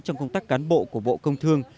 trong công tác cán bộ của bộ công thương